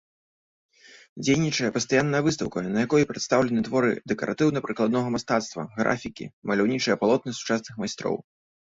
Дзейнічае пастаянная выстаўка, на якой прадстаўлены творы дэкаратыўна-прыкладнога мастацтва, графікі, маляўнічыя палотны сучасных майстроў.